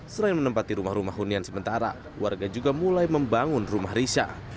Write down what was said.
selain menempati rumah rumah hunian sementara warga juga mulai membangun rumah risha